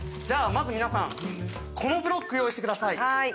じゃあまず皆さんこのブロック用意してください。